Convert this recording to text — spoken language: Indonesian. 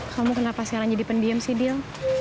kamu kenapa sekarang jadi pendiem sidil